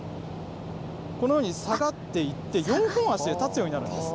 このように下がっていって、４本足で立つようになるんです。